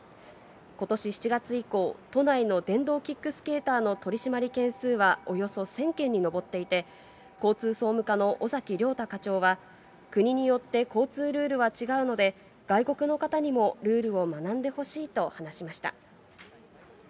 ことし７月以降、都内の電動キックスケーターの取締り件数はおよそ１０００件に上っていて、交通総務課の尾崎亮太課長は、国によって交通ルールは違うので、外国の方にもルールを学んでほしいと話しました。